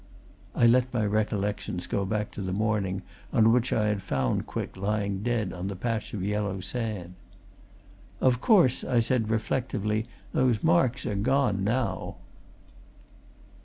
I let my recollections go back to the morning on which I had found Quick lying dead on the patch of yellow sand. "Of course," I said, reflectively, "those marks are gone, now."